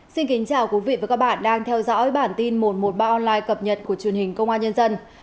xin kính chào quý vị và các bạn đang theo dõi bản tin một trăm một mươi ba online cập nhật của truyền hình công an nhân dân